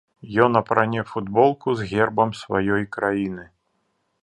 Ён апране футболку з гербам сваёй краіны!